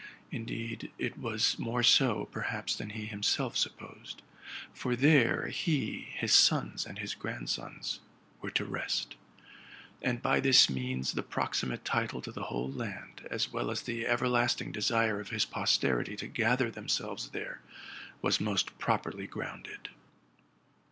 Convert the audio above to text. Indeed, it was more so, perhaps, than he himself supposed: for there he, his sons and his grandsons, were to rest; and by this means the prox imate title to the whole land, as well as the everlasting desire of his posterity to gather themselves there, was most properly grounded.